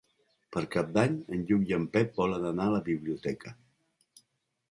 Per Cap d'Any en Lluc i en Pep volen anar a la biblioteca.